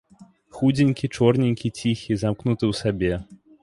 Худзенькі, чорненькі, ціхі, замкнуты ў сабе.